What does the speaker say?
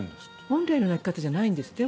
本来の鳴き方じゃないんですね。